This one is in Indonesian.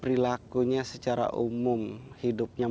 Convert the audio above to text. perilakunya secara umum dia berpengalaman